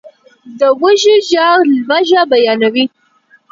د وږو ږغ لوږه بیانوي.